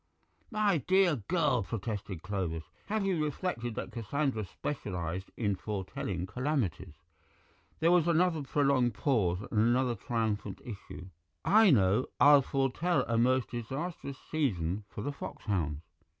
"My dear girl," protested Clovis, "have you reflected that Cassandra specialized in foretelling calamities?" There was another prolonged pause and another triumphant issue. "I know. I'll foretell a most disastrous season for the foxhounds."